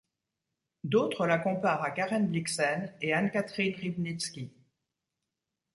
D'autres la comparent à Karen Blixen et Anne-Cathrine Riebnitzsky.